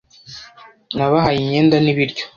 Nabahaye imyenda n'ibiryo.